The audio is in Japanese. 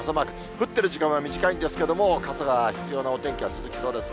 降ってる時間は短いんですけど、傘が必要なお天気が続きそうです。